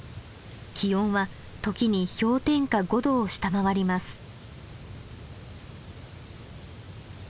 気温は時に氷点下５度を下回ります。